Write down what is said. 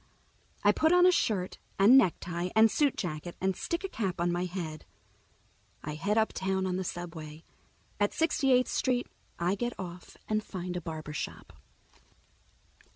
I put on a shirt and necktie and suit jacket and stick a cap on my head. I head uptown on the subway. At Sixty eighth Street I get off and find a barbershop.